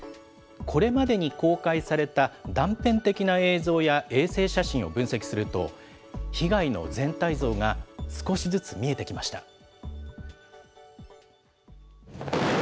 これまでに公開された断片的な映像や衛星写真を分析すると、被害の全体像が少しずつ見えてきました。